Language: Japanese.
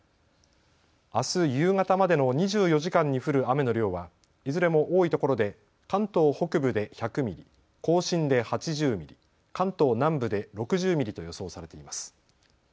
あす夕方までの２４時間に降る雨の量はいずれも多いところで関東北部で１００ミリ、甲信で８０ミリ、関東南部で６０ミリと予想されています。